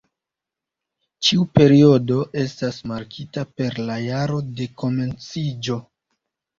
Ĉiu periodo estas markita per la jaro de komenciĝo.